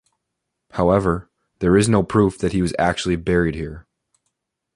However, there is no proof that he was actually buried here.